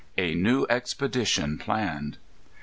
_A New Expedition Planned.